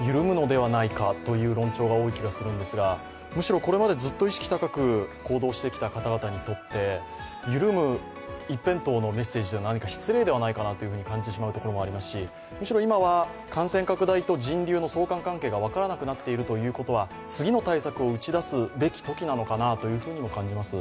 緩むのではないかという論調が多い気がするのですが、むしろこれまでずっと意識高く行動してきた方々にとって緩む一辺倒のメッセージは、何か失礼ではないかと感じてしまうところもありますし、むしろ今は感染拡大と人流の相関関係が分からなくなっているということは次の対策を打ち出すべきときなのかなとも感じます。